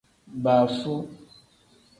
Baafu.